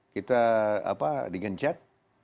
kita apa digenjet